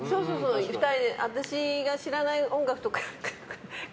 私が知らない音楽とか。